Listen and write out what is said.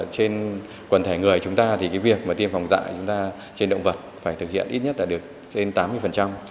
trên quần thể người chúng ta thì việc tiêm phòng dại trên động vật phải thực hiện ít nhất là được trên tám mươi